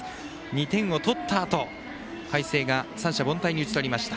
２点を取ったあと、海星が三者凡退に打ち取りました。